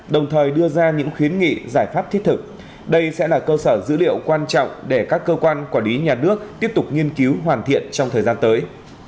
đồng thời đưa ra những khuyến nghị giải pháp thiết thực đây sẽ là cơ sở dữ liệu quan trọng để các cơ quan quản lý nhà nước tiếp tục nghiên cứu hoàn thiện trong thời gian tới